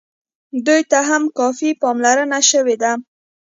دوی ته هم کافي پاملرنه شوې ده.